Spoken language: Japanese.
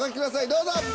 どうぞ。